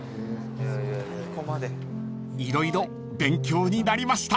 ［色々勉強になりました］